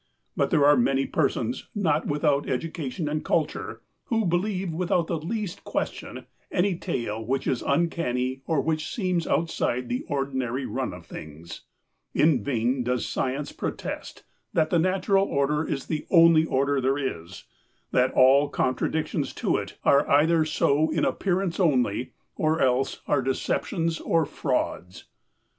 But there are many persons, not without education and culture, who believe without the least question any tale which is uncanny or which seems outside the ordinary run of things. In vain does Science protest that the natural order is the only order there is, that all contradictions to it are either so in appearance only or else are deceptions or frauds.